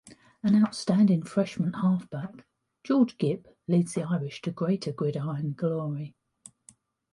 An outstanding freshman halfback, George Gipp, leads the Irish to greater gridiron glory.